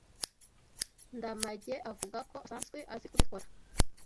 Ndamage avuga ko asanzwe azi kubikora.